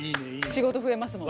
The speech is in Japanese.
仕事増えますもんね。